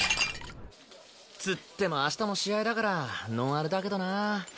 つっても明日も試合だからノンアルだけどな。